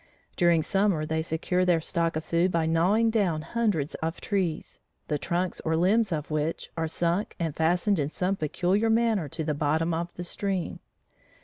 During summer they secure their stock of food by gnawing down hundreds of trees, the trunks or limbs of which are sunk and fastened in some peculiar manner to the bottom of the stream.